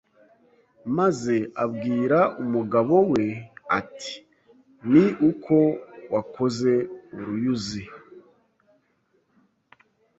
maze abwira umugabowe ati Ni uko wakoze uruyuzi